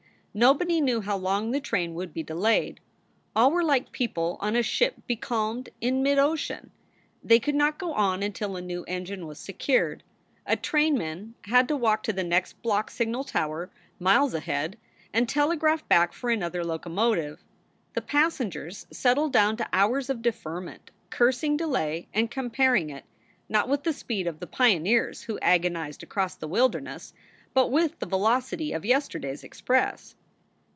Nobody knew how long the train would be delayed. All were like people on a ship becalmed in midocean. They could not go on until a new engine was secured. A trainman had to walk to the next block signal tower, miles ahead, and telegraph back for another locomotive. The passengers settled down to hours of deferment, cursing delay and comparing it, not with the speed of the pioneers who agonized across the wilderness, but with the velocity of yesterday s express.